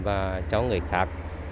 và cho người khác